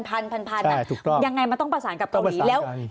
ยังไงมันต้องประสานกับเกาหลีแล้ว